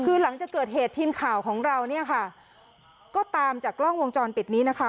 คือหลังจากเกิดเหตุทีมข่าวของเราเนี่ยค่ะก็ตามจากกล้องวงจรปิดนี้นะคะ